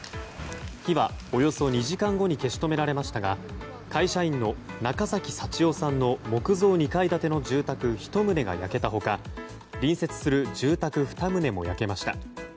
火はおよそ２時間後に消し止められましたが会社員の中崎幸男さんの木造２階建ての住宅１棟が焼けた他隣接する住宅２棟も焼けました。